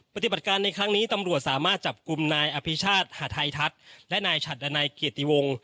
ปฏิบัติการในครั้งนี้ตำรวจสามารถจับกลุ่มนายอภิชาติหาทัยทัศน์และนายฉัดดันัยเกียรติวงศ์